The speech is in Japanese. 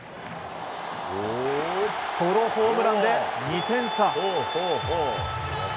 ソロホームランで２点差。